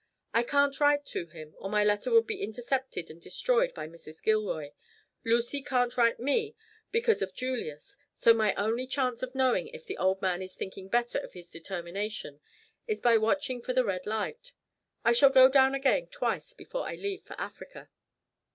I can't write to him, or my letter would be intercepted and destroyed by Mrs. Gilroy. Lucy can't write me because of Julius, so my only chance of knowing if the old man is thinking better of his determination is by watching for the red light. I shall go down again twice before I leave for Africa."